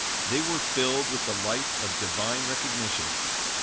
They were filled with the light of Divine recognition.